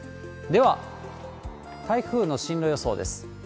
では、台風の進路予想です。